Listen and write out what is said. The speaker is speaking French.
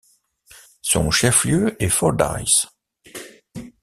Son chef-lieu est Fordyce.